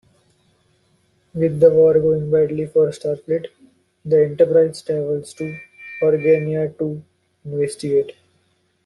With the war going badly for Starfleet, the "Enterprise" travels to Organia to investigate.